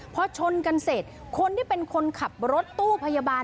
พอชนกันเสร็จคนที่เป็นคนขับรถตู้พยาบาล